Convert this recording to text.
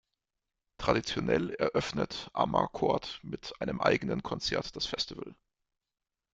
Traditionell eröffnet "Amarcord" mit einem eigenen Konzert das Festival.